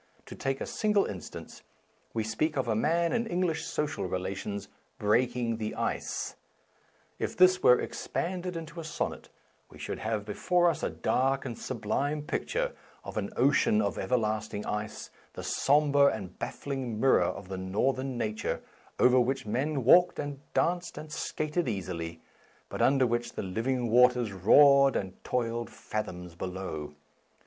To take a single instance : we speak of a man in English social rela tions breaking the ice." If this were ex panded into a sonnet, we should have be fore us a dark and sublime picture of an ocean of everlasting ice, the sombre and baffling mirror of the Northern nature, over which men walked and danced and skated easily, but under which the living waters roared and toiled fathoms below.